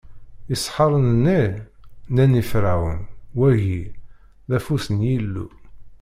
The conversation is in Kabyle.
Iseḥḥaren-nni? Nnan i Ferɛun: Wagi, d afus n Yillu!